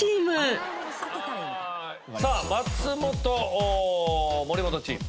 さあ松本・森本チーム。